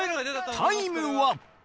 タイムは。